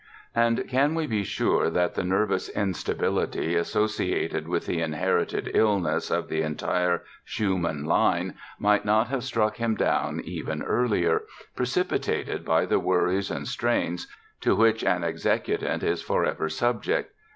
And can we be sure that the nervous instability associated with the inherited illness of the entire Schumann line might not have struck him down even earlier, precipitated by the worries and strains to which an executant is forever subject?